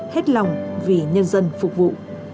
hết lòng vì nhân dân phục vụ